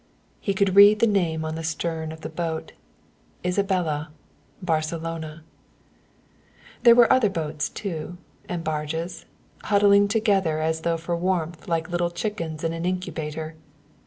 He could read the name on the stern of the boat, "Isabella Barcelona." There were other boats too, and barges, huddling together as though for warmth like little chickens in an incubator.